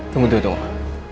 tunggu tunggu tunggu